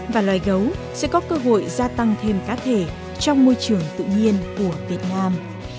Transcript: và loài gấu sẽ có cơ hội gia tăng thêm cá thể trong môi trường tự nhiên của việt nam